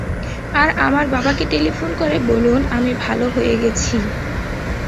আর আমার বাবাকে টেলিফোন করে বলুন, আমি ভালো হয়ে গেছি।